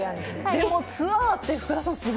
でもツアーって福田さん